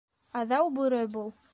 Аҙау бүре был.